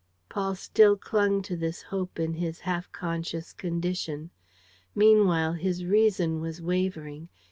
... Paul still clung to this hope in his half conscious condition. Meanwhile his reason was wavering.